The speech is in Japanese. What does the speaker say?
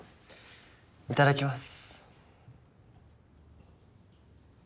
いただきます。